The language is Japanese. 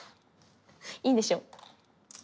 いいんでしょ？